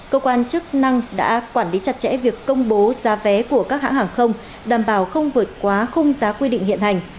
cơ quan chức năng đã quản lý chặt chẽ việc công bố giá vé của các hãng hàng không đảm bảo không vượt quá khung giá quy định hiện hành